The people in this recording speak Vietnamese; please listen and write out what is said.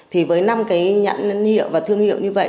thì với năm cái nhãn hiệu và thương hiệu như vậy